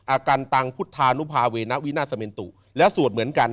อาการตังพุทธานุภาเวณวินาเสมนตุแล้วสวดเหมือนกัน